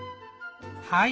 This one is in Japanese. はい。